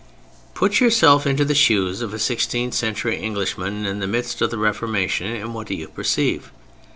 Put yourself into the shoes of a sixteenth century Englishman in the midst of the Reformation, and what do you perceive?